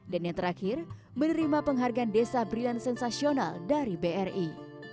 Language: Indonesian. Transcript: dan yang terakhir menerima penghargaan desa brilliant sensasional dari bri